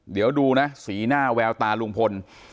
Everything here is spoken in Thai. เดี๋ยวดูนะสีหน้าแววตาลุงพล